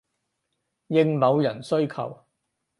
應某人需求